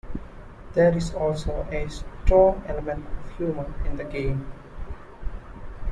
There is also a strong element of humour in the game.